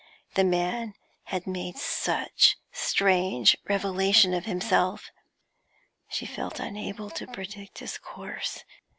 The man had made such strange revelation of himself, she felt unable to predict his course.